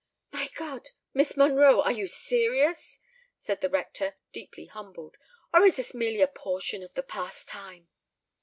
"My God! Miss Monroe, are you serious?" said the rector, deeply humbled; "or is this merely a portion of the pastime?"